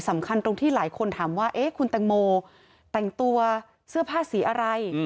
ตรงที่หลายคนถามว่าคุณแตงโมแต่งตัวเสื้อผ้าสีอะไร